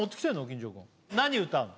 金城君何歌うの？